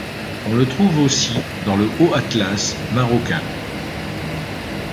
On le trouve aussi dans le Haut Atlas marocain.